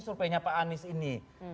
surpenya pak anies ini